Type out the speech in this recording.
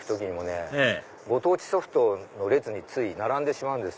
ええご当地ソフトの列につい並んでしまうんです。